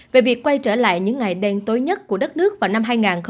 về việc quay trở lại những ngày đen tối nhất của đất nước vào năm hai nghìn hai mươi